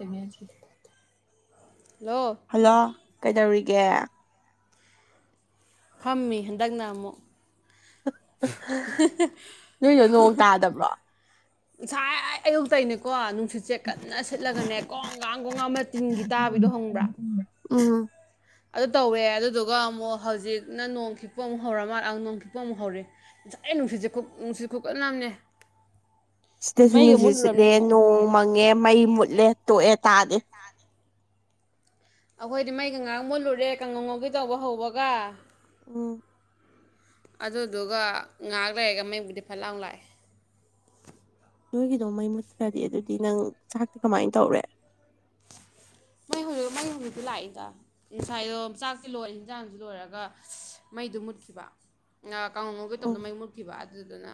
ꯑꯦꯩꯅ ꯆ ꯍꯜꯂꯣ ꯀꯩꯗꯧꯔꯤꯒꯦ ꯐꯝꯃꯤ ꯍꯟꯗꯛꯅ ꯑꯃꯨꯛ ꯑ ꯅꯣꯏꯗꯣ ꯅꯣꯡ ꯇꯥꯗꯕ꯭ꯔꯣ ꯉꯁꯥꯏ ꯑꯌꯨꯛꯛꯇꯅꯦꯀꯣ ꯅꯨꯡꯁꯤꯠꯁꯦ ꯀꯟꯅ ꯁꯤꯠꯂꯒꯅꯦ ꯒꯣꯡꯒꯥꯡ ꯣꯡꯒꯥꯡ ꯃ ꯇꯤꯟꯒꯤ ꯇꯥꯕꯤꯗꯣ ꯍꯪꯕ꯭ꯔꯥ ꯎꯝ ꯑꯗꯨ ꯇꯧꯋꯦ ꯑꯗꯨꯗꯨꯒ ꯑꯃꯨꯛ ꯍꯧꯖꯤꯛꯅ ꯅꯣꯡ ꯈꯤꯛꯄ ꯑꯃꯨꯛ ꯍꯧꯔ ꯃꯥꯜꯂ ꯅꯣꯡ ꯈꯤꯛꯄ ꯑꯃꯨꯛ ꯍꯧꯔꯦ ꯁ ꯑꯩ ꯅꯨꯡꯁꯤꯠꯁꯦ ꯅꯨꯡꯁꯤꯠ ꯈꯨꯛꯀ ꯅꯝꯅꯦ ꯁꯤꯗꯁꯨ ꯅꯨꯡꯁꯤꯠ ꯁꯤꯠꯂꯦ ꯑꯃꯨꯛ ꯅꯣꯡ ꯃꯪꯉꯦ ꯃꯩ ꯃꯨꯠꯂꯦ ꯇꯣꯛꯑꯦ ꯇꯥꯖ ꯑꯩꯈꯣꯏꯗꯤ ꯃꯩꯒ ꯉꯥꯡ ꯃꯨꯜꯂꯨꯔꯦ ꯀꯉꯧ ꯉꯧꯒꯦ ꯇꯧꯕ ꯍꯧꯕꯒ ꯎꯝ ꯑꯗꯨꯗꯨꯒ ꯉꯥꯏꯍꯥꯛ ꯂꯩꯔꯒ ꯃꯡꯕꯨꯗꯤ ꯐꯠ ꯂꯥꯎ ꯂꯥꯛꯑꯦ ꯅꯣꯏꯒꯤꯗꯣ ꯃꯩ ꯃꯨꯠꯈ꯭ꯔꯗꯤ ꯑꯗꯨꯗꯤ ꯅꯪ ꯆꯥꯛꯇꯤ ꯀꯃꯥꯏꯅ ꯇꯧꯔꯦ [unintelligible] ꯑꯩ ꯍꯧꯖꯤꯛꯇꯤ ꯂꯥꯛꯏꯗ ꯉꯁꯥꯏꯗꯣ ꯆꯥꯛꯇꯤ ꯂꯣꯏꯦ ꯌꯦꯟꯖꯥꯡꯁꯨ ꯂꯣꯏꯔꯒ ꯃꯩꯗꯣ ꯃꯨꯠꯈꯤꯕ ꯀꯥꯡꯉꯒꯩ ꯇꯧꯗ ꯎꯝ ꯃꯩ ꯃꯨꯠꯈꯤꯕ ꯑꯗꯨꯗꯨꯅ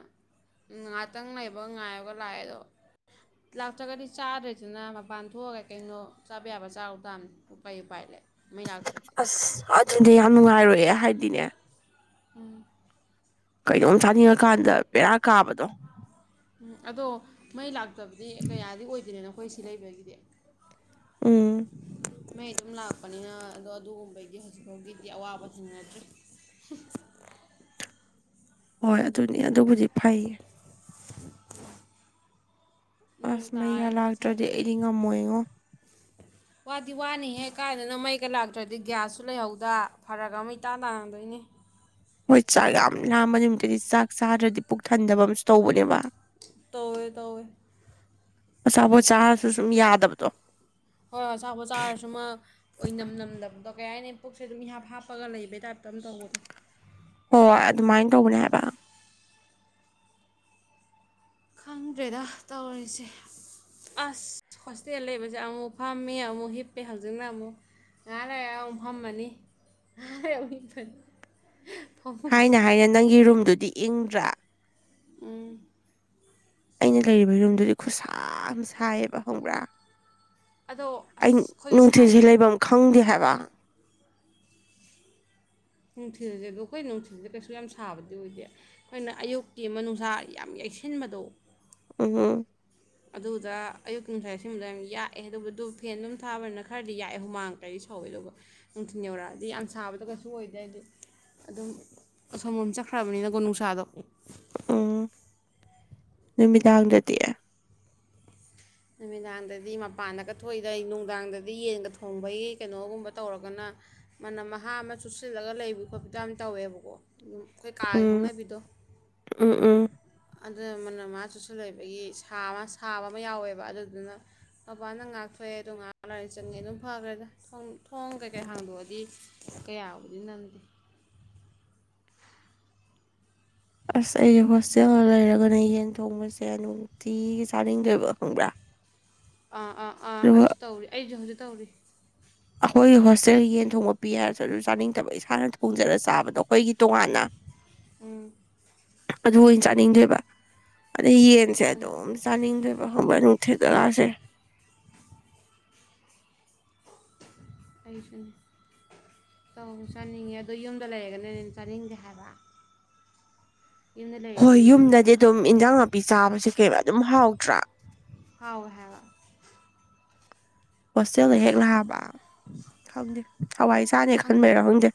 ꯉꯥꯏꯍꯥꯛꯇꯪ ꯂꯩꯕ ꯉꯥꯏꯔꯒ ꯂꯥꯛꯑꯦꯗꯣ ꯂꯥꯛꯇ꯭ꯔꯒꯗꯤ ꯆꯥꯗ꯭ꯔꯦꯗꯅ ꯃꯄꯥꯟ ꯊꯣꯛꯑꯒ ꯀꯩꯅꯣ ꯆꯥꯕ ꯌꯥꯕ ꯆꯥꯎꯕꯗꯥꯝꯅꯤ ꯎꯄꯥꯏ ꯎꯄꯥꯏ ꯂꯩꯦ ꯑꯁ ꯑꯗꯨꯗꯤ ꯌꯥꯝ ꯅꯨꯡꯉꯥꯏꯔꯣꯏꯑꯦ ꯍꯥꯏꯗꯤꯅꯦ ꯎꯝ ꯀꯩꯅꯣꯝ ꯆꯥꯅꯤꯡꯉꯥ ꯀꯥꯟꯗ ꯕꯦꯔꯥ ꯀꯥꯕꯗꯣ ꯎꯝ ꯑꯗꯣ ꯃꯩ ꯂꯥꯛꯇꯕꯗꯤ ꯀꯌꯥꯗꯤ ꯑꯣꯏꯗꯔꯦꯅ ꯑꯩꯈꯣꯏ ꯁꯤ ꯂꯩꯕꯒꯤꯗꯤ ꯎꯝ ꯃꯩ ꯑꯗꯨꯝ ꯂꯥꯛ ꯂꯛꯄꯅꯤꯅ ꯑꯗꯣ ꯑꯗꯨꯒꯨꯝꯕꯩꯗꯤ ꯍꯧꯖꯤꯛ ꯐꯥꯎꯒꯤꯗꯤ ꯑꯋꯥꯕꯊꯦꯡꯅꯗ꯭ꯔꯤ ꯍꯣꯏ ꯑꯗꯨꯅꯤ ꯑꯗꯨꯕꯨꯗꯤ ꯐꯩꯌꯦ ꯅꯣꯡ ꯑꯁ ꯃꯩꯒ ꯇꯥꯔꯦ ꯂꯥꯛꯇ꯭ꯔꯗꯤ ꯉꯁꯥꯏꯗꯒꯤ ꯑꯩꯗꯤ ꯉꯝꯃꯣꯏꯉꯣ ꯋꯥꯗꯤ ꯋꯥꯅꯤꯍꯦꯛ ꯀꯥꯏꯗꯅ ꯃꯩꯒ ꯂꯥꯛꯇ꯭ꯔꯗꯤ ꯒ꯭ꯌꯥꯁꯁꯨ ꯂꯩꯍꯧꯗ ꯐꯔꯒ ꯃꯩꯇꯥꯥꯟ ꯇꯥꯔꯗꯣꯏꯅꯤ ꯍꯣꯏ ꯆꯥꯛ ꯌꯥꯝ ꯂꯥꯝꯕ ꯅꯨꯃꯤꯠꯇꯗꯤ ꯆꯥꯛ ꯆꯥꯗ꯭ꯔꯗꯤ ꯄꯨꯛ ꯊꯟꯗꯕ ꯑꯃꯁꯝꯨ ꯇꯧꯕꯅꯦꯕ ꯇꯧꯋꯦ ꯇꯧꯋꯦ ꯉꯁꯥꯕꯣ ꯆꯥꯁꯨ ꯁꯨꯝ ꯌꯥꯗꯕꯗꯣ ꯍꯣꯏ ꯍꯣꯏ ꯑ ꯆꯥꯛꯄ ꯆꯥꯔꯁꯨꯃ ꯑꯣꯏꯅꯝ ꯅꯝꯗꯕꯗꯣ ꯀꯔꯤ ꯍꯥꯏꯅꯤ ꯄꯨꯛꯁꯦ ꯑꯗꯨꯝ ꯍꯥꯥꯞ ꯍꯥꯞꯄꯒ ꯂꯩꯕꯩ ꯇꯥꯏꯞꯇ ꯈꯤꯝ ꯇꯧꯕꯅꯣ ꯍꯣꯏꯣꯏ ꯑꯗꯨꯃꯥꯏꯅ ꯇꯧꯕꯅꯦ ꯍꯥꯏꯕ ꯈꯪꯗ꯭ꯔꯦꯗ ꯇꯧꯔꯤꯁꯦ ꯑꯁ ꯍꯣꯁꯇꯦꯜ ꯂꯩꯕꯁꯦ ꯑꯃꯨꯛ ꯐꯝꯃꯦ ꯑꯃꯨꯛ ꯍꯤꯞꯄꯦ ꯍꯧꯖꯤꯛꯅ ꯑꯃꯨꯛ ꯉꯍꯥꯟ ꯂ ꯑ ꯐꯝꯃꯅꯤꯅꯤ ꯍꯥꯏꯅ ꯍꯥꯏꯅ ꯅꯪꯒꯤ ꯔꯨꯝꯗꯨꯗꯤ ꯏꯪꯗ꯭ꯔꯥ ꯎꯝ ꯑꯩꯅ ꯂꯩꯔꯤꯕ ꯌꯨꯝꯗꯨꯗꯤ ꯈꯨꯠꯁꯥ ꯁꯥꯏꯌꯦꯕ ꯈꯪꯕ꯭ꯔꯥ ꯑꯗꯣ ꯑꯁ ꯑꯩ ꯑꯩꯈꯣꯏꯁꯨ ꯅꯨꯡꯊꯤꯜꯁꯦ ꯁꯥꯏꯍꯦ ꯂꯩꯐꯝ ꯈꯪꯗꯦ ꯍꯥꯏ ꯀꯥꯡ ꯅꯨꯡꯊꯤꯜꯁꯦ ꯑꯗꯨꯣ ꯑꯩꯈꯣꯏ ꯅꯨꯡꯊꯤꯜꯁꯗ ꯀꯩꯁꯨ ꯌꯥꯝ ꯁꯥꯕꯗꯤ ꯑꯣꯏꯗꯦ ꯑꯩꯈꯣꯏꯅ ꯑꯌꯨꯛꯀꯤ ꯑꯃ ꯅꯨꯡꯁꯥ ꯌꯥꯝ ꯌꯩꯁꯤꯟ ꯇꯟꯃꯗꯣ ꯎꯝꯝ ꯑꯗꯨꯗ ꯑꯌꯨꯛꯀꯤ ꯅꯨꯡꯁꯥ ꯁꯤꯟꯕꯗꯣ ꯌꯥꯝ ꯌꯥꯛꯑꯦ ꯑꯗꯨꯕꯨꯗꯨ ꯐꯦꯟ ꯑꯗꯨꯝ ꯊꯥꯕꯅꯤꯅ ꯈꯔꯗꯤ ꯌꯥꯛꯑꯦ ꯍꯨꯃꯥꯡꯇꯔꯤ ꯁꯧ ꯐꯥꯎꯋꯦꯗꯧꯕ ꯅꯨꯡꯊꯤꯟꯜ ꯌꯧꯔꯛꯑꯗꯤ ꯌꯥꯝ ꯁꯥꯕꯗꯣ ꯀꯩꯁꯨ ꯑꯣꯏꯗ꯭ꯔꯦ ꯑꯩꯗꯤ ꯑꯗꯨꯝ ꯑꯁꯣꯝ ꯑꯃ ꯆꯠꯈ꯭ꯔꯕꯅꯤꯅꯀꯣ ꯅꯨꯡꯁꯥꯗꯣ ꯅꯨꯃꯤꯗꯥꯥꯡꯗꯗꯤ ꯅꯨꯃꯤꯗꯥꯡꯗꯗꯤ ꯃꯄꯥꯟꯗꯒ ꯊꯣꯛꯏꯗꯩ ꯅꯨꯡꯗꯥꯡꯗꯗꯤ ꯌꯦꯟꯒ ꯊꯣꯡꯕꯒꯤ ꯀꯩꯅꯣꯒꯨꯝꯕ ꯇꯧꯔꯒꯅ ꯃꯅꯝ ꯃꯍꯥ ꯑꯃ ꯆꯨꯞꯁꯤꯜꯂꯒ ꯂꯩꯕꯒꯤ ꯈꯣꯠꯄꯗ ꯌꯥꯝ ꯇꯧꯋꯦꯕꯀꯣ ꯑꯩꯈꯣꯏ ꯀꯥꯒꯤ ꯎꯝ ꯍꯧꯅꯕꯤꯗꯣ ꯎꯝ ꯎꯝ ꯑꯗꯨꯅ ꯃꯅꯝ ꯃꯥꯍ ꯆꯨꯜꯁꯟ ꯂꯩꯕꯒꯤ ꯁꯥꯕ ꯁꯥꯕ ꯑꯃ ꯌꯥꯎꯋꯦꯕ ꯑꯗꯨꯗꯨꯅ ꯃꯄꯟꯗ ꯉꯥꯛꯊꯣꯛꯑꯦꯗꯣ ꯉꯥꯛ ꯂꯥꯩꯔꯥ ꯆꯪꯉꯦ ꯑꯗꯨꯝ ꯐꯈ꯭ꯔꯦꯗ ꯊꯣꯡ ꯀꯩꯀꯩ ꯍꯥꯡꯗꯣꯛꯑꯗꯤ ꯀꯌꯥꯕꯨꯗꯤ ꯅꯪꯗꯦ [unintelligible] ꯑꯁ ꯑꯩ ꯍꯣꯁꯇꯦꯜꯗ ꯂꯩꯔꯒꯅ ꯌꯦꯟ ꯊꯣꯡꯕꯁꯦ ꯅꯨꯡꯇꯤꯒꯤ ꯆꯥꯅꯤꯡꯗꯣꯏꯕ ꯈꯪꯕ꯭ꯔꯥ ꯑꯥ ꯑꯥ ꯑꯥ ꯑꯗꯨꯒ ꯑꯩꯁꯨ ꯇꯧꯔꯤ ꯑꯩꯁꯨ ꯍꯧꯖꯤꯛ ꯇꯧꯔꯤ ꯑꯩꯈꯣꯏꯒꯤ ꯍꯣꯁꯇꯦꯜꯒꯤ ꯌꯦꯟ ꯊꯣꯡꯕ ꯄꯤ ꯍꯥꯏꯔꯁꯨ ꯑꯗꯨ ꯆꯥꯅꯤꯡꯗꯕ ꯏꯁꯥꯅ ꯊꯣꯡꯖꯔ ꯆꯥꯕꯗꯣ ꯑꯩꯈꯣꯏꯒꯤ ꯇꯣꯉꯥꯟꯅ ꯎꯝ ꯑꯗꯨ ꯑꯣꯏꯅ ꯆꯥꯅꯤꯡꯗꯣꯏꯕ ꯑꯗꯩ ꯌꯦꯟꯁꯦ ꯑꯗꯨꯝ ꯆꯥꯅꯤꯡꯗꯣꯏꯕ [unintelligible] ꯑꯩꯁꯨꯅꯤ ꯆꯥꯅꯤꯡꯉꯦ ꯑꯗꯨ ꯌꯨꯝꯗ ꯂꯩꯔꯒꯅꯅꯦ ꯆꯥꯅꯤꯡꯗꯦ ꯍꯥꯏꯕ ꯌꯨꯝꯗ ꯍꯣꯏ ꯂꯩꯔꯗꯤ ꯌꯨꯝꯗꯗꯤ ꯑꯗꯨꯝ ꯏꯟꯖꯥꯡ ꯅꯥꯄꯤ ꯆꯥꯕꯁꯨ ꯀꯩ ꯑꯗꯨꯝ ꯍꯥꯎꯗ꯭ꯔꯥ ꯍꯥꯎꯋꯦ ꯍꯥꯏꯕ ꯍꯣꯁꯇꯦꯜꯗ ꯍꯦꯛ ꯂꯥꯛꯕ ꯈꯪꯗꯦ ꯍꯋꯥꯏ ꯆꯅꯤ ꯈꯪ ꯈꯟꯕꯩꯔ ꯈꯪꯗꯦ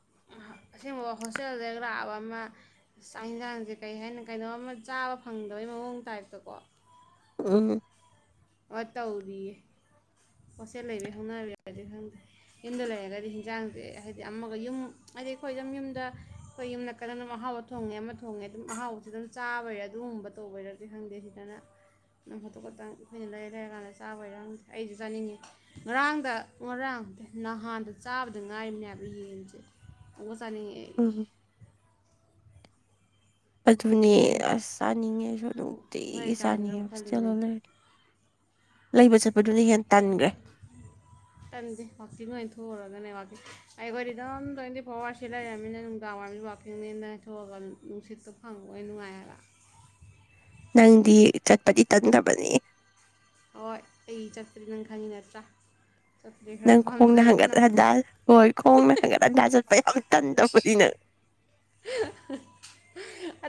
[unintelligible] ꯑꯁꯦꯡꯕ ꯍꯣꯁꯇꯦꯜꯗ ꯍꯦꯛ ꯂꯥꯛꯑꯕ ꯑꯃ ꯆꯥꯛ ꯌꯦꯟꯁꯥꯡꯁꯦ ꯀꯔꯤ ꯍꯥꯏꯅ ꯀꯩꯅꯣ ꯑꯃ ꯆꯥꯕ ꯐꯪꯗꯣꯏꯅ ꯃꯑꯣꯡ ꯇꯥꯏꯞꯇꯀꯣ ꯎꯝ ꯑ ꯇꯧꯔꯤꯌꯦ ꯍꯣꯁꯇꯦꯜ ꯂꯩꯕ ꯍꯧꯅꯕꯤꯗꯤ ꯈꯪꯗꯦ ꯌꯨꯝꯗ ꯂꯩꯔꯒꯗꯤ ꯍꯤꯟꯖꯥꯡꯁꯦ ꯍꯥꯏꯗꯤ ꯑꯃꯒ ꯌꯨꯝ ꯑꯗꯩ ꯑꯩꯈꯣꯏ ꯑꯗꯨꯝ ꯌꯨꯝꯗ ꯑꯩꯈꯣꯏ ꯌꯨꯝꯗꯀꯗꯪ ꯑꯗꯨꯝ ꯑꯍꯥꯎꯕ ꯊꯣꯡꯉꯦ ꯑꯃ ꯊꯣꯡꯉꯦ ꯑꯗꯨꯝ ꯑꯍꯥꯎꯁ ꯑꯗꯨꯝ ꯆꯥꯕꯔꯦ ꯑꯗꯨꯝ ꯀꯨꯝꯕ ꯇꯣ ꯑꯣꯏꯔꯗꯤ ꯈꯪꯗꯦ ꯁꯤꯗꯅ ꯅꯝ ꯍꯥꯊ ꯈꯛꯇꯪ ꯑꯣꯏꯩꯅ ꯂꯩꯔ ꯂꯩꯔ ꯀꯥꯟꯗ ꯆꯥꯕꯩꯔꯦ ꯑꯩꯁꯨ ꯆꯥꯅꯤꯡꯉꯦ ꯉꯔꯥꯡꯗ ꯉꯔꯥꯡ ꯅꯍꯥꯟꯗ ꯇꯥꯕꯗ ꯉꯥꯏ ꯃꯅꯦꯕ ꯌꯦꯡꯟꯁꯦ ꯎ ꯆꯥꯅꯤꯡꯉ ꯎꯝ ꯑꯗꯨꯅꯦ ꯍꯣꯔꯦꯟ ꯑꯁ ꯆꯥꯅꯤꯡꯉꯦ ꯁ ꯑꯗꯨ ꯍꯣꯔꯦꯟ ꯎꯇꯇꯩꯒꯤ ꯆꯥꯁꯤꯔ ꯆꯥꯅꯤꯡꯉ ꯈꯜꯂꯤꯅꯦ ꯆꯂ ꯑꯩꯗꯤ ꯂꯩ ꯇꯟꯗꯦ ꯋꯥꯛꯀꯤꯡ ꯑꯣꯢꯅ ꯊꯣꯛꯑꯨꯔꯒꯅꯦ ꯑꯩꯈꯣꯢꯗꯤ ꯗꯨꯝ ꯇꯣꯢꯟꯇꯤ ꯐꯋꯥꯔ ꯑꯋꯥꯔ ꯁꯤ ꯂꯩꯔꯝꯅꯤꯅ ꯅꯨꯡꯗꯥꯡꯋꯥꯢꯔꯝ ꯋꯥꯀꯤꯡꯅꯤꯅ ꯐꯪꯕ ꯅꯨꯡꯉꯥꯏꯔꯥ ꯅꯪꯗꯤ ꯆꯠꯄꯗꯤ ꯇꯟꯗꯕꯅꯤ ꯍꯣꯏ ꯑꯩ ꯆꯠꯇ꯭ꯔꯤ ꯅꯪ ꯈꯪꯉꯤ ꯅꯠꯇ꯭ꯔꯥ ꯆꯠꯄꯗꯤ ꯈꯔ ꯅꯪ ꯈꯣꯡꯅ ꯄꯥꯝꯖꯩꯕ ꯍꯪꯒꯠ ꯅꯪ ꯍꯟꯗꯥ ꯍꯣꯏ ꯈꯣꯡꯅ ꯍꯪꯒꯠ ꯍꯟꯗꯥ ꯆꯠꯄ ꯌꯥꯝ ꯇꯟꯗꯄꯒꯤꯅꯦ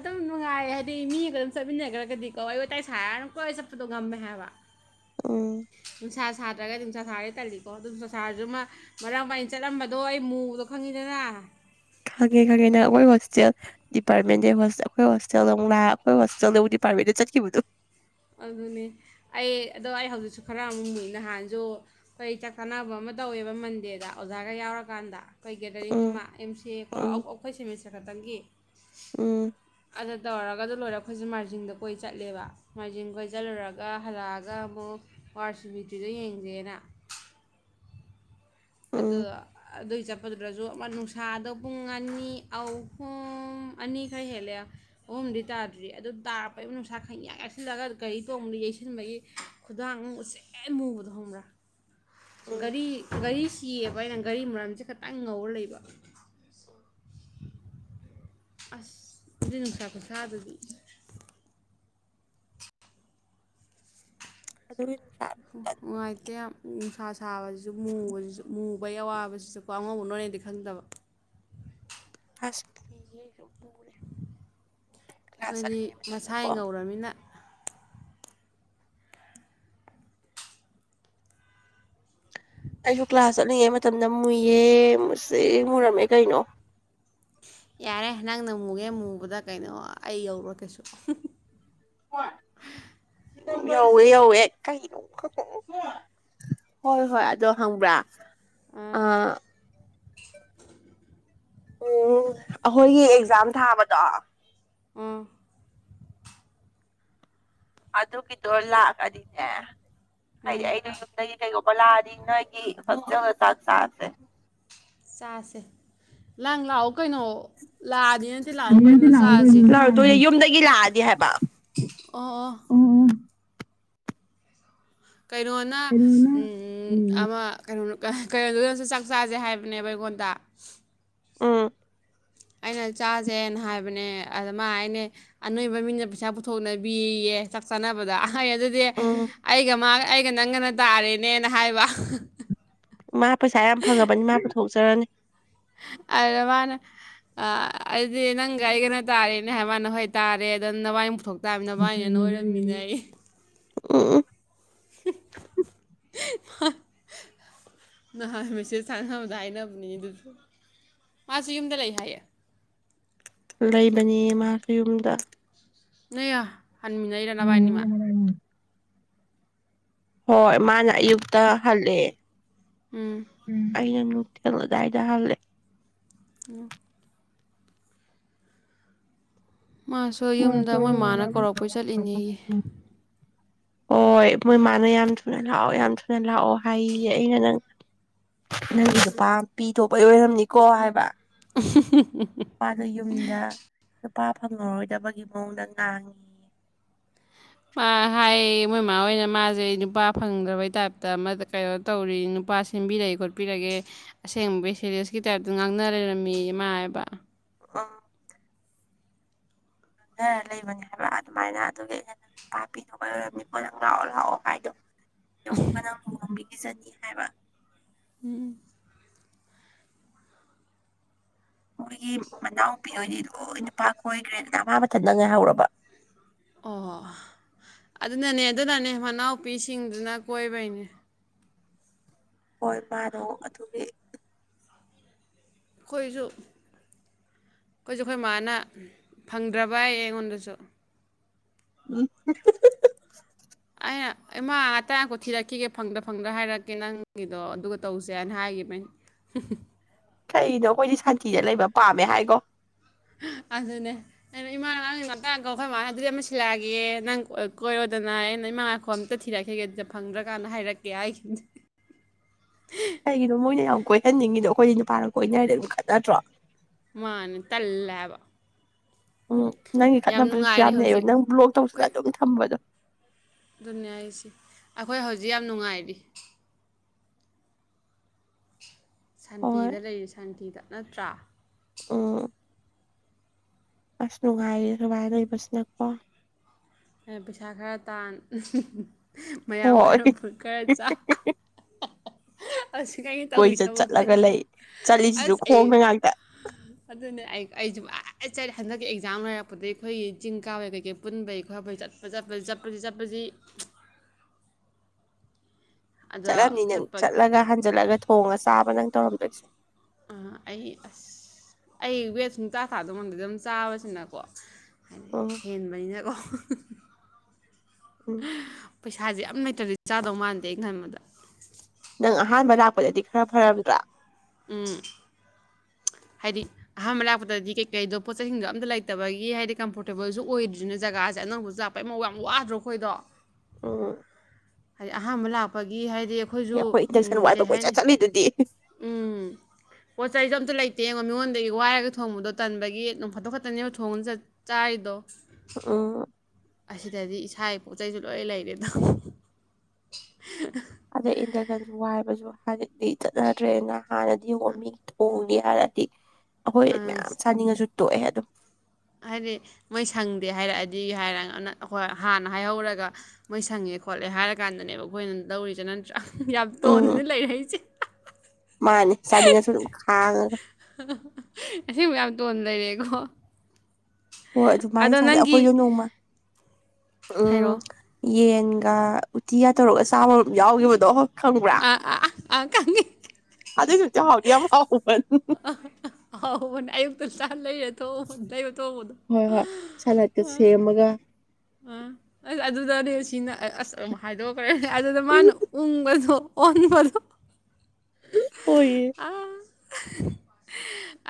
ꯑꯗꯨꯝ ꯅꯨꯡꯉꯥꯏꯌꯦ ꯍꯥꯏꯗꯤ ꯃꯤꯒ ꯑꯗꯨꯝ ꯆꯠꯃꯤꯟꯅꯈ꯭ꯔꯒꯗꯤ ꯀꯣ ꯑꯩ ꯋꯥꯇꯥꯏ ꯁꯥꯥꯏꯔꯒ ꯑꯗꯨꯝ ꯀꯣꯏ ꯆꯠꯄꯗꯣ ꯉꯝꯃꯦ ꯍꯥꯏꯕ ꯎꯝ ꯅꯨꯡꯁꯥ ꯁꯥꯗ꯭ꯔꯒꯗꯤ ꯅꯨꯡꯁꯥ ꯁꯥꯔꯁ ꯇꯜꯂꯤꯀꯣ ꯑꯗꯨꯝ ꯅꯨꯡꯁꯥ ꯁꯥꯔꯁꯨ ꯑꯃ ꯃꯔꯥꯛ ꯑꯃ ꯑꯩꯅ ꯆꯠꯂꯝꯕꯗꯣ ꯑꯩ ꯃꯨꯕꯗꯣ ꯈꯪꯉꯤꯗꯅ [unintelligible] ꯈꯪꯉꯦ ꯈꯪꯉꯦ ꯅ ꯑꯩꯈꯣꯏ ꯍꯣꯁꯇꯦꯜ ꯗꯤꯄꯥꯔꯠꯃꯦꯟꯗꯩ ꯑꯩꯈꯣꯏ ꯍꯣꯁꯇꯦꯜꯗꯛ ꯂꯥꯛ ꯑꯩꯈꯣꯏ ꯍꯣꯁꯇꯦꯜꯗꯗꯤ ꯗ ꯆꯠꯀꯤꯕꯨꯗꯣ ꯑꯗꯨꯅꯦ ꯑꯩ ꯑꯗꯣ ꯑꯩ ꯍꯧꯖꯤꯛꯁꯨ ꯈꯔ ꯑꯃꯨꯛ ꯃꯨꯏꯅ ꯍꯍꯥꯟꯁꯨ ꯑꯩꯣꯏ ꯆꯥꯛ ꯀꯥꯅꯕ ꯑꯃ ꯇꯧꯋꯦꯕ ꯃꯟꯗꯦꯗ ꯑꯣꯖꯥꯒ ꯌꯥꯎꯔꯀꯥꯟꯗ ꯑꯩꯈꯣꯏ ꯒꯦꯗꯔꯤꯡ ꯎꯝ ꯑꯃ ꯑꯦꯝ ꯁꯤ ꯑꯦꯀꯣ ꯎꯝ ꯑꯩꯈꯣꯏ ꯁꯦꯃꯤꯁꯇꯔ ꯈꯛꯇꯪꯒꯤ ꯎꯝ ꯑꯗ ꯇꯧꯔꯒ ꯑꯗꯨ ꯂꯣꯏꯔꯦ ꯑꯩꯈꯣꯏꯁꯨꯦ ꯃꯥꯔꯖꯤꯡꯗ ꯀꯣꯏ ꯆꯠꯂꯦꯕ ꯃꯥꯏꯖꯤꯡ ꯈꯣꯏꯁꯤꯜꯂꯨꯔꯒ ꯍꯜꯂꯛꯑꯒ ꯑꯃꯨꯛ ꯋꯥꯔꯁ ꯃꯤꯇ꯭ꯔꯤꯗ ꯌꯦꯡꯖꯦꯅ [unintelligible] ꯎꯝ ꯑꯗ ꯎꯝ ꯑꯗꯨ ꯆ ꯍꯥꯄꯗꯨ꯭ꯔꯁꯨ ꯑꯃ ꯅꯨꯡꯁꯥꯗꯣ ꯄꯨꯡ ꯑꯅꯤ ꯑꯍꯨꯝ ꯑꯅꯤꯈꯛ ꯍꯦꯜꯂꯦ ꯐꯝꯗꯤ ꯇꯥꯗ꯭ꯔꯤ ꯑꯗꯨ ꯇꯥꯔꯛꯩꯕ ꯅꯨꯡꯁꯥ ꯈꯪꯌꯥ ꯌꯥꯁꯤꯜꯂꯒ ꯒꯥꯔꯤ ꯇꯣꯡꯕꯗ ꯌꯩꯁꯤꯟꯕꯒꯤ ꯈꯨꯗꯥꯡ ꯎꯆ ꯎꯆꯦꯛ ꯃꯨꯕꯗꯣ ꯍꯪꯕ꯭ꯔꯥ ꯎꯝ ꯒꯥꯔꯤ ꯒꯥꯔꯤꯁꯤꯑꯕ ꯑꯩꯅ ꯒꯥꯔꯤ ꯃꯔꯝꯁꯦ ꯇꯪ ꯉꯧꯔ ꯂꯩꯕ ꯑꯁ ꯅꯁꯥꯄ ꯁꯥ ꯑꯗꯨꯗꯤ ꯑꯗꯨ ꯅꯨꯡꯁ ꯅꯨꯡꯉꯥꯏꯇꯦ ꯅꯨꯡꯁꯥ ꯁꯥꯕꯁꯤꯁꯨꯕꯁꯤꯁꯨ ꯃꯨꯕꯩ ꯑꯋꯥꯕꯁꯤꯁꯨꯀꯣ ꯑꯉꯧꯕ ꯅꯣꯏ ꯍꯥꯏꯗꯤ ꯈꯪꯗꯕ ꯑꯁ ꯃꯨꯔꯦ ꯀ꯭ꯂꯥꯁ ꯍꯥꯏꯗꯤ ꯆꯠꯂꯤꯉꯩ ꯃꯁꯥ ꯃꯇꯝꯗꯀꯣ ꯉꯧꯔꯕꯃꯤꯅ ꯑꯩꯁꯨ ꯀ꯭ꯂꯥꯁ ꯆꯠꯂꯤꯉꯩ ꯃꯇꯝꯗ ꯃꯨꯏꯌꯦ ꯃꯨꯁꯤ ꯃꯨꯔꯝꯃꯦ ꯀꯩꯅꯣ ꯌꯥꯔꯦ ꯅꯪ ꯅꯪ ꯃꯨꯒꯦ ꯃꯨꯕꯗ ꯀꯩꯅꯣ ꯑꯩ ꯌꯧꯔꯣ ꯀꯩꯁꯨ ꯌꯧꯋꯦ ꯌꯧꯋꯦ ꯀ ꯍꯣꯏ ꯍꯣꯏ ꯑꯗꯣ ꯍꯪꯕ꯭ꯔꯥ ꯑ ꯑꯥ ꯎꯝ ꯑꯩꯈꯣꯏꯒꯤ ꯑꯦꯛꯖꯥꯝ ꯊꯥꯕꯗꯣ ꯑꯥ ꯑꯗꯨꯒꯤꯗꯣ ꯂꯥꯛꯑꯗꯤꯅꯦ ꯍꯥꯏꯗꯤ ꯎꯝ ꯑꯩꯅ ꯌꯨꯝꯩ ꯑꯣꯂꯥꯗꯤꯅꯒꯤ ꯍꯁ ꯆ ꯁꯥꯁꯦ ꯆꯥꯁꯦ ꯂꯪ ꯂꯥꯛꯑꯣ ꯀꯩꯅꯣ ꯂꯥꯛꯑꯗꯤꯅꯗꯤ ꯂꯥꯛꯑꯣ ꯀꯩꯅꯣ ꯆꯥꯁꯦ ꯂꯥꯗꯤ ꯍꯥꯏꯕ ꯑꯣ ꯎꯝ ꯀꯩꯅꯣꯅ ꯑꯃ ꯀꯩꯅꯣ ꯀꯩꯅꯣꯗꯨꯗꯁꯨ ꯆꯥꯛ ꯆꯥꯁꯦ ꯍꯥꯏꯕꯅꯦꯕ ꯑꯩꯉꯣꯟꯗ ꯎꯝ ꯑꯩꯅ ꯆꯥꯁꯦꯅ ꯍꯥꯏꯕꯅꯦ ꯑꯗꯨꯃ ꯑꯅꯦ ꯑꯅꯣꯏꯕ ꯃꯤꯅ ꯄꯩꯁꯥ ꯄꯨꯊꯣꯛꯅꯕꯤꯌꯦ ꯆꯥꯛ ꯆꯥꯅꯕꯕꯗ ꯐꯩ ꯑꯗꯨꯗꯤ ꯎꯝ ꯑꯩꯒ ꯃꯥ ꯑꯩꯒ ꯅꯪꯒꯅ ꯇꯥꯔꯦꯅꯦꯅ ꯍꯥꯏꯕ ꯃꯥ ꯄꯩꯁꯥ ꯌꯥꯝ ꯐꯉꯕꯅꯤ ꯃꯥ ꯄꯨꯊꯣꯛꯆꯔꯅꯤ ꯑꯗ ꯃꯥꯅ ꯑꯗꯨꯗꯤ ꯅꯪꯒ ꯑꯩ ꯀꯩꯅꯣ ꯇꯥꯔꯦꯅꯦ ꯍꯥꯏ ꯃꯥꯅ ꯍꯣꯏ ꯇꯥꯔꯦ ꯑꯗꯨꯗ ꯅꯕꯥꯏꯅ ꯄꯨꯊꯣꯛ ꯇꯥꯕ ꯅꯕꯥꯏꯅꯦꯅ ꯑꯣꯏꯔꯝꯃꯤꯟꯅꯩ ꯎ ꯑ ꯅ ꯃꯁ ꯁꯅꯗ ꯍꯥꯏꯅ ꯃꯥꯁꯨ ꯌꯨꯝꯗ ꯂꯩꯍꯥꯏꯦ ꯂꯩꯕꯅꯤ ꯃꯥꯁꯨ ꯌꯨꯝꯗ ꯅ ꯑ ꯍꯥꯟꯃꯤꯩꯔ ꯅꯕꯕꯥꯅꯤꯃ ꯍꯣꯏ ꯃꯥꯅ ꯑꯌꯨꯛꯇ ꯍꯜꯂꯑꯦ ꯎꯝ ꯑꯩꯅ ꯊꯂꯒꯥꯏꯗ ꯍꯜꯦ ꯑꯣ ꯃꯥꯁꯨ ꯎꯝ ꯌꯨꯝꯗ ꯃꯣꯏ ꯃꯥꯅ ꯀꯧꯔꯛꯄꯩ ꯆꯠꯂꯤꯅꯦꯌꯦ ꯍ ꯍꯣꯏ ꯃꯣꯏꯃꯅ ꯌꯥꯝ ꯊꯨꯅ ꯂꯥꯛꯑꯣ ꯌꯥꯝ ꯊꯨꯅ ꯂꯥꯛꯑꯣ ꯍꯥꯏꯌꯦꯦ ꯑꯩꯅ ꯅꯪ ꯅꯪꯒꯤ ꯂꯨꯄꯥ ꯄꯤ ꯊꯣꯛꯄ ꯑꯣꯏꯔꯝꯅꯤꯀꯣ ꯍꯥꯏꯕ ꯎ ꯃꯄꯥꯗ ꯌꯨꯝꯗ ꯑꯄꯥ ꯐꯪꯉꯔꯣꯏꯗꯕꯒꯤ ꯃꯑꯣꯡꯗ ꯉꯥꯡꯉꯤ ꯍꯥꯏ ꯃꯣꯏꯃꯥ ꯍꯣꯏꯅ ꯃꯥꯁꯦ ꯅꯨꯄꯥ ꯐꯪꯗ꯭ꯔꯕꯩ ꯇꯥꯏꯞꯇ ꯑꯃꯗ ꯀꯩꯅꯣ ꯇꯧꯔꯤ ꯅꯨꯄꯥ ꯁꯦꯝꯕꯤꯔꯛꯒꯦ ꯈꯣꯠꯄꯤꯔꯒꯦ ꯑꯁꯦꯡꯕ ꯁꯦꯔꯤꯌꯁꯀꯤ ꯇꯥꯏꯞꯇ ꯉꯥꯡꯅ ꯂꯩꯔꯝꯃꯤ ꯏꯃꯥ ꯍꯥꯏꯕ ꯍꯥ ꯈꯪꯊꯔ ꯂꯩꯕꯅꯦ ꯍꯥꯏꯕ ꯑꯗꯨꯃꯥꯏꯅ ꯑꯗꯨꯒ ꯑꯍ ꯅꯪ ꯅꯨ ꯄꯄꯤ ꯑꯣꯏꯔꯝꯅꯤꯀꯣ ꯅꯪ ꯂꯥꯛꯑꯣ ꯂꯥꯛꯑꯣ ꯍꯥꯏꯗꯣ ꯌꯧꯕꯒ ꯅꯪ ꯑꯃꯨ ꯅꯝꯕꯤꯈꯤ ꯆꯅꯤ ꯍꯥꯏꯕ ꯎꯝ ꯃꯣꯏꯒꯤ ꯃꯅꯥꯎꯄꯤ ꯑꯣꯏꯗꯤ ꯂꯣꯏ ꯅꯨꯄꯥ ꯀꯣꯏꯈ꯭ꯔꯦ ꯅꯍꯥ ꯃꯊꯟ ꯅꯪ ꯉꯥꯏꯍꯔꯕ ꯑꯣ ꯑꯗꯨꯅꯅꯦ ꯑꯗꯨꯅꯅꯦ ꯃꯅꯥꯎꯄꯤꯁꯤꯡꯗꯨꯅ ꯀꯣꯏꯕꯩꯅꯦ ꯍꯣꯏ ꯃꯥꯗꯣ ꯑꯗꯨꯒꯤ ꯈꯣꯏꯁꯨꯛ ꯑꯩꯈꯣꯏꯁꯨ ꯑꯩꯈꯣꯏ ꯃꯥꯅ ꯐꯪꯗ꯭ꯔꯕ ꯑꯩ ꯑꯩꯉꯣꯟꯗꯁꯨ ꯎꯝ ꯑꯩꯅ ꯏꯃꯥ ꯉꯥꯛꯇꯀꯣ ꯊꯤꯔꯛꯈꯤꯒꯦ ꯐꯪꯗ ꯐꯪꯗ꯭ꯔ ꯍꯥꯏꯔꯛꯀꯦ ꯅꯪꯒꯤꯗꯣ ꯑꯗꯨꯒ ꯇꯧꯁꯦ ꯍꯥꯏꯅ ꯍꯥꯏꯒ [unintelligible] ꯀꯅꯣ ꯑꯩꯈꯣꯏꯗꯤ ꯁꯥꯟꯇꯤꯗ ꯂꯩꯕ ꯄꯥꯝꯃꯦ ꯍꯥꯏꯀꯣ ꯑꯗꯨꯅꯦ ꯑꯩꯅ ꯏꯃꯥ ꯅꯪ ꯉꯥꯛꯇꯥꯡ ꯀꯧꯈꯣꯏ ꯃꯥꯦ ꯑꯗꯨꯗꯤ ꯑꯃ ꯁꯤꯜꯂꯛꯑꯒꯦ ꯅꯪ ꯀꯣꯏꯔꯣꯗꯅ ꯑꯩꯅ ꯅ ꯃꯉꯥꯈꯣ ꯑꯝꯇ ꯊꯤꯔꯛꯈꯤꯒꯦ ꯑꯗꯨꯗ ꯐꯪꯗ꯭ꯔ ꯀꯥꯟꯗ ꯍꯥꯏꯔꯛꯀꯦ ꯍꯥꯏꯈꯤꯅꯗ [inaudible] ꯀꯩꯒꯤꯅꯣ ꯃꯣꯏꯅ ꯌꯥꯝ ꯀꯣꯏꯍꯟꯅꯤꯡꯉꯤꯗꯣ ꯑꯩꯈꯣꯏꯗꯤ ꯅꯨꯄꯥꯅ ꯀꯣꯏꯅꯔꯤꯗ ꯑꯗꯨꯝ ꯈꯠꯅꯗ꯭ꯔꯣ ꯃꯥꯅꯤ ꯇꯜꯂꯦꯕ ꯎꯝ ꯅꯪꯒꯤ ꯈꯠꯅꯕꯗꯨꯁꯨ ꯌꯥꯝ ꯅꯦꯛꯕ ꯍꯧꯖꯤꯛ ꯅꯪ ꯕ꯭ꯂꯣꯛ ꯇꯧꯁꯤꯅ ꯑꯗꯨꯝ ꯊꯝꯕꯗꯣ ꯑꯗꯨꯅꯤ ꯍꯥꯏꯁꯤ ꯑꯩꯈꯣꯏ ꯍꯧꯖꯤꯛ ꯌꯥꯝ ꯅꯨꯡꯉꯥꯏꯔꯤ ꯍꯣꯏ ꯁꯥꯟꯇꯤꯗ ꯂꯩꯔꯤ ꯁꯥꯟꯇꯤꯗ ꯅꯠꯇ꯭ꯔꯥ ꯎꯝ ꯑꯁ ꯅꯨꯡꯉꯥꯏꯌꯦ ꯁꯨꯃꯥꯏꯅ ꯂꯩꯕꯥꯁꯤꯅꯀꯣ ꯄꯩꯁꯥ ꯈꯔ ꯇꯥꯟ ꯃꯌꯥꯝ ꯍꯣꯏ ꯈꯔ ꯐꯨꯠ ꯈꯔ ꯆꯥ ꯍꯧꯖꯤꯛ ꯑꯩꯅ ꯇꯧꯔꯤ ꯀꯣꯏꯆꯠ ꯊꯕꯛꯁꯦ ꯆꯠꯂꯒ ꯂꯩ ꯆꯠꯂꯤꯁꯤꯁꯨ ꯑꯁ ꯑꯩ ꯈꯣꯡꯅ ꯉꯥꯛꯇ ꯑꯗꯨꯅꯦ ꯑꯩ ꯑꯩꯁꯨꯦ ꯑꯩ ꯆꯠ ꯍꯟꯗꯛꯀꯤ ꯑꯦꯛꯖꯥꯝ ꯂꯩꯔꯛꯄꯗꯒꯤꯩ ꯑꯩꯈꯣꯏꯒꯤ ꯆꯤꯡ ꯀꯥꯕꯩ ꯀꯩꯀꯩ ꯄꯨꯟꯕꯩ ꯈ ꯐꯩꯠꯄꯠꯄꯠꯄ ꯆꯠꯄꯖꯤ ꯆꯠꯂꯅꯤ ꯅꯪ ꯆꯠꯄ ꯆꯠꯂꯒ ꯍꯟꯖꯜꯂꯒ ꯊꯣꯡꯉ ꯆꯥꯕ ꯅꯪ ꯇꯧꯔꯝꯗꯣꯏꯁꯦ ꯑꯩ ꯑꯁ ꯑꯩ ꯋꯦꯁ ꯃꯨꯇꯥꯥ ꯊꯥꯗꯧꯃꯗ ꯑꯗꯨꯝ ꯆꯥꯕꯁꯤꯅꯀꯣ ꯍꯥꯏꯗꯤ ꯎꯝ ꯍꯦꯟꯕꯅꯤꯅꯀꯣ ꯎꯝ ꯄꯩꯁꯥꯁꯦ ꯌꯥꯝ ꯂꯩꯇꯕꯗꯤ ꯆꯥꯗꯧ ꯃꯥꯟꯗꯦ ꯑ ꯈꯟꯕꯗ ꯅꯪ ꯑꯍꯥꯟꯕ ꯂꯥꯛꯄꯗꯗꯤ ꯈꯔ ꯐꯔꯕꯗ꯭ꯔꯥ ꯎꯝ [inaudible] ꯍꯥꯏꯗꯤ ꯑꯍꯥꯟꯕ ꯂꯥꯛꯄꯗꯗꯤ ꯀꯩꯀꯩꯗꯣ ꯄꯣꯠ ꯆꯩꯁꯤꯡꯗꯣ ꯑꯝꯇ ꯂꯩꯇꯕꯒꯤ ꯍꯥꯏꯗꯤ ꯀꯝꯐꯣꯔꯇꯦꯕꯜꯁꯨ ꯑꯣꯏꯗ꯭ꯔꯤꯁꯤꯅ ꯖꯒꯥꯁꯦ ꯑꯅꯧꯕ ꯆꯥꯄꯩꯃꯧ ꯌꯥꯝ ꯋꯥꯗ꯭ꯔꯣ ꯑꯩꯈꯣꯏꯗꯣ ꯑꯥ ꯍꯥꯏꯗꯤ ꯑꯍꯥꯟꯕ ꯂꯥꯛꯄꯒꯤ ꯍꯥꯏꯗꯤ ꯑ ꯑꯦ ꯑꯩꯈꯣꯏꯁꯨ ꯑꯩꯈꯣꯏ ꯎ ꯏꯟꯗꯛꯁꯟ ꯋꯥꯏꯕ ꯀꯩ ꯀꯣꯏꯆꯠ ꯍꯥꯏꯅꯤ ꯆꯠꯂꯤꯗꯨꯗꯤ ꯎꯝ ꯆ ꯆꯩꯁꯨꯣ ꯑꯝꯇ ꯂꯩꯇꯦꯡꯉꯣ ꯃꯤꯉꯣꯟꯗꯒꯤ ꯋꯥꯏꯔꯒ ꯊꯣꯡꯕꯗꯣ ꯇꯟꯕꯒꯤ ꯑꯗꯨꯅꯨꯡ ꯐꯠꯇꯣꯛ ꯐꯠꯇꯅꯦꯕ ꯊꯣꯡꯅ ꯆꯥꯔꯤꯗꯣ ꯑꯝ ꯑꯁꯤꯗꯗꯤ ꯏꯁꯥꯒꯤ ꯄꯣꯠ ꯆꯩꯁꯨ ꯂꯣꯏ ꯂꯩꯔꯦ ꯇꯧ ꯑꯗ ꯏꯟꯗꯔꯒꯟꯁꯨ ꯋꯥꯏꯕꯁꯨ ꯍꯧꯖꯤꯛꯇꯤ ꯆꯠꯅꯗ꯭ꯔꯦꯅ ꯍꯥꯟꯅꯗꯤ ꯍꯨ ꯃꯤꯒꯤ ꯊꯣꯡꯅꯤ ꯍꯥꯏꯔ ꯗꯤ ꯑꯩꯈꯣꯏꯗꯤ ꯑꯪ ꯃꯌꯥꯝ ꯆꯥꯅꯤꯡꯉꯁꯨ ꯇꯣꯛꯑꯦ ꯑꯗꯨꯝ ꯍꯥꯏꯗꯤ ꯃꯣꯏ ꯁꯪꯗꯦ ꯍꯥꯏꯔꯛꯑꯗꯤ ꯍꯥꯏꯔꯣꯏ ꯍꯥꯟꯅ ꯍꯥꯏꯍꯧꯔꯒ ꯃꯣꯏ ꯁꯪꯉꯦ ꯈꯣꯠꯂꯦ ꯍꯥꯏꯔ ꯀꯥꯟꯗꯅꯦꯕ ꯑꯩꯈꯣꯏꯅ ꯂꯧꯔꯤꯁꯦ ꯅꯠꯇ꯭ꯔ ꯌꯥꯝ ꯎꯝ ꯇꯣꯟꯅꯗꯤ ꯂꯩꯔꯛꯏꯁꯦ ꯃꯥꯅꯦ ꯆꯅꯤꯡꯉꯁꯨ ꯑꯗꯨꯝ ꯈꯥꯡꯉꯒ ꯗꯣꯗꯏꯔꯦꯒꯣ ꯍꯣꯏ ꯑꯗꯨꯃꯥꯏꯅ ꯆꯥꯁꯦ ꯑꯩꯈꯣꯏꯗꯣ ꯅꯣꯡꯃ ꯎꯝ ꯍꯥꯏꯔꯛꯑꯣ ꯌꯦꯟ ꯒꯥ ꯎꯇꯤꯒ ꯇꯧꯔꯒ ꯆꯥꯕꯝ ꯌꯥꯎꯈꯤꯕꯗꯣ ꯍ ꯑꯥ ꯑꯥ ꯑꯥꯪꯉ ꯑꯗꯩ ꯆ ꯆ ꯍꯥꯎꯗ ꯐ ꯆ ꯂꯩꯔ ꯊꯣꯛ ꯂꯩꯕ ꯊꯣꯛꯣꯡꯗꯣ ꯍꯣꯏ ꯍꯣꯏ ꯁꯂꯠꯀ ꯁꯦꯝꯃꯒ ꯑꯥ ꯑꯁ ꯑꯗꯨꯗꯅꯦ ꯁꯤꯅ ꯑꯁ ꯍꯥꯏꯗꯣꯛꯈ꯭ꯔꯦꯅꯦ ꯑꯗꯨꯗ ꯃꯥꯅ ꯎꯝ ꯎꯪꯕꯗꯣ ꯑꯣꯏꯅꯤ ꯃꯔꯣ ꯑꯣꯏꯌꯦ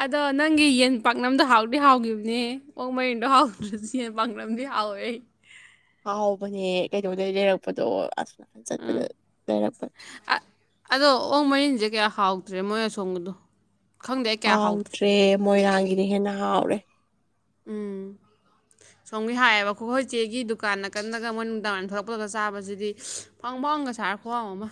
ꯑꯗꯣ ꯅꯪꯒꯤ ꯌꯦꯟ ꯄꯥꯛꯅꯝꯗꯣ ꯍꯥꯎꯗꯤ ꯍꯥꯎꯈꯤꯕꯅꯤ ꯑꯣꯛ ꯃꯔꯤꯦꯟꯗꯣ ꯍꯥꯎꯗ꯭ꯔꯁꯨ ꯌꯦꯟ ꯄꯥꯛꯅꯝꯗꯤ ꯍꯥꯎꯋꯦ ꯑꯩꯩ ꯍꯥꯎꯕꯅꯦ ꯀꯩꯩꯅꯧꯗꯒꯤꯩ ꯂꯩꯔꯛꯄꯗꯣ ꯑꯁ ꯅꯥꯀꯟ ꯎꯝ ꯆꯠꯄꯗ ꯂꯩꯔꯛꯄꯗꯣ ꯑꯗꯣ ꯑꯣ ꯃꯔꯤꯟꯁꯦ ꯀꯌꯥ ꯍꯥꯎꯗ꯭ꯔꯦ ꯃꯣꯏ ꯑꯁꯣꯡꯕꯗꯣ ꯍꯥꯎꯗ꯭ꯔꯦ ꯃꯣꯏꯔꯥꯡꯒꯤꯗꯤ ꯍꯦꯟꯅ ꯍꯥꯎꯔꯦ ꯎꯝ [unintelligible] ꯁꯣꯝꯒꯤ ꯍꯥꯏꯌꯦꯕ ꯑꯩꯈꯣꯏ ꯆꯦꯒꯤ ꯗꯨꯀꯥꯟ ꯀꯟꯗꯒ ꯃꯣꯏ ꯅꯨꯡꯗꯥꯡ ꯋꯥꯏꯗ ꯊꯂꯛꯄꯒ ꯆꯥꯕꯁꯤꯗꯤ ꯐꯪ ꯐꯪꯒꯥꯏ ꯊꯔ ꯈꯋꯥ ꯑꯃ ꯑꯃ